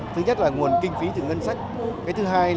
thứ nhất là nguồn kinh phí từ ngân sách